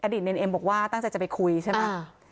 ดีตเนรเอ็มบอกว่าตั้งใจจะไปคุยใช่ไหม